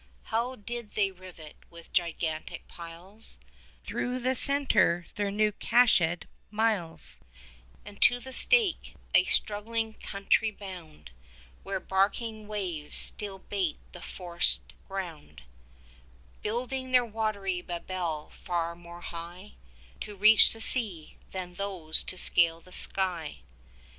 How did they rivet, with gigantic piles, Thorough the centre their new catchèd miles; And to the stake a struggling country bound, Where barking waves still bait the forcèd ground; Building their watery Babel far more high 21 To reach the sea, than those to scale the sky.